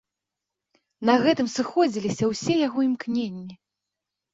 На гэтым сыходзіліся ўсе яго імкненні.